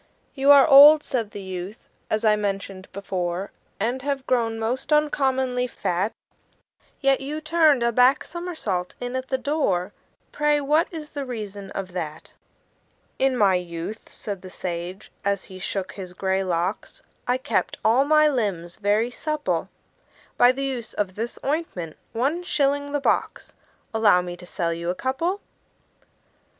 "You are old," said the youth, "as I mentioned before, And have grown most uncommonly fat; Yet you turned a back somersault in at the door Pray, what is the reason of that?" "In my youth," said the sage, as he shook his gray locks, "I kept all my limbs very supple By the use of this ointment one shilling the box Allow me to sell you a couple."